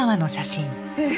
ええ。